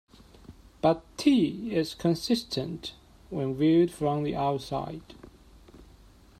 But "T" is consistent when viewed from the outside.